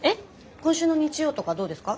今週の日曜とかどうですか？